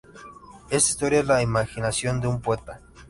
Esta historia es la imaginación de un poeta".